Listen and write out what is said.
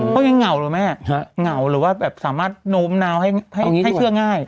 เขายังเหงาเหรอแม่เหงาหรือว่าแบบสามารถโน้มน้าวให้เชื่อง่าย